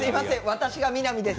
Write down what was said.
私が南です。